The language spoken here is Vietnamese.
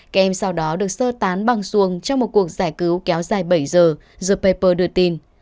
các em sau đó được sơ tán bằng xuồng trong một cuộc giải cứu kéo dài bảy giờ paper đưa tin